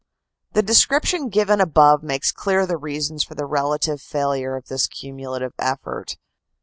The description given above makes clear the reasons for the relative failure of this cumulative effort.